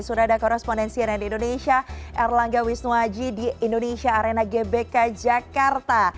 sudah ada korespondensi nn indonesia erlangga wisnuaji di indonesia arena gbk jakarta